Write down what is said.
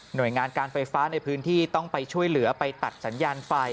โดยงานการไฟฟ้าในพื้นที่ต้องไปช่วยเหลือไปตัดสัญญาณไฟ